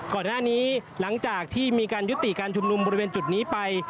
ก่อนหน้านี้หลังจากที่มีการยุติการชุมนุมบริเวณจุดนี้ไป